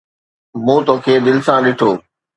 مون توکي دل سان ڏٺو